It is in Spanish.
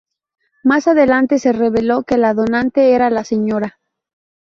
Más adelante se reveló que la donante era la Sra.